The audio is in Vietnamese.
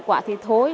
quả thì thôi